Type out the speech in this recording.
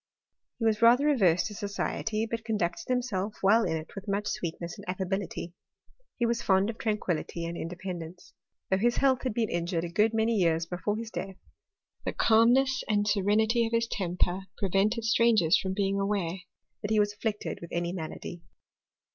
He was rather averse to society, but conducted himself whilft in it with much sweetness and affability. He was fond of tranquillity and independence. Though hit health had been injured a good many years before hit deathy the calmness and serenity of his temper pr^ THEO&Y Iir CHEMlStRI^. 30l vented strangers from being aware that he was afflicted with any malady.